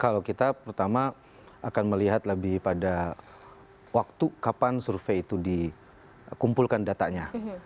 kalau kita pertama akan melihat lebih pada waktu kapan survei itu dikumpulkan datanya